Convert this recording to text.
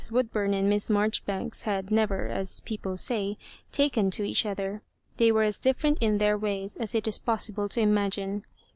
Woodburn and Miss Marjoribanks bad never, as people say, taken to each other. They were as difierent in their ways as it is possible to imagine.